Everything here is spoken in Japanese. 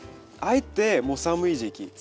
あえてもう寒い時期。